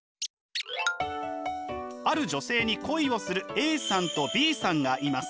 ある女性に恋をするＡさんとＢさんがいます。